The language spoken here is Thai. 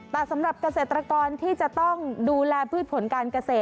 แต่สำหรับเกษตรกรที่จะต้องดูแลพืชผลการเกษตร